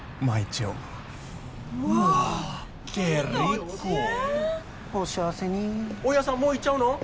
一応うわお幸せに大家さんもう行っちゃうの？